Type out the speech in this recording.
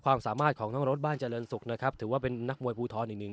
ความสามารถของน้องรถบ้านเจริญศุกร์นะครับถือว่าเป็นนักมวยภูทรอีกหนึ่ง